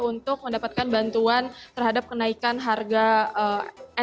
untuk mendapatkan bantuan terhadap kenaikan harga energi listrik ataupun biaya kenaikan